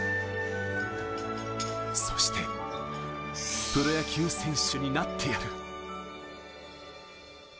そしてプロ野球選手になってやる。